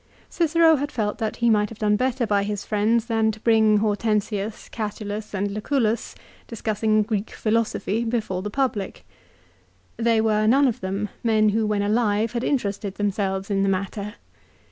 Cicero had felt that he might have done better by his friends than to bring Hortensius, Catulus, and Lucullus discuss ing Greek philosophy before the public. They were, none of them, men who when alive had interested themselves in the matter.